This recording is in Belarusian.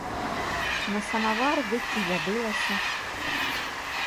На самавар дык і забылася.